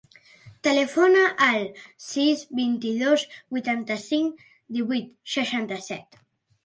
Telefona al sis, vint-i-dos, vuitanta-cinc, divuit, seixanta-set.